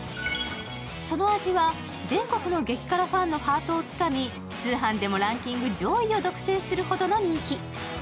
その味は全国の激辛ファンのハートをつかみ通販でもランキング上位を独占するほどの人気。